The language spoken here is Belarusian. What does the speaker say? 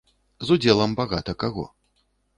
З удзелам багата каго.